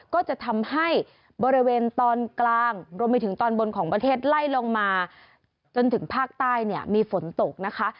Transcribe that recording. ก็จะทำให้บริเวณตอนกลางรวมไปถึงตอนบนของประเทศไล่ลงมาจนถึงภาคใต้เนี่ยมีฝนตกนะคะ